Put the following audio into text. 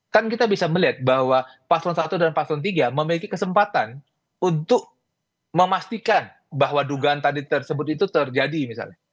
kan kita bisa melihat bahwa paslon satu dan paslon tiga memiliki kesempatan untuk memastikan bahwa dugaan tadi tersebut itu terjadi misalnya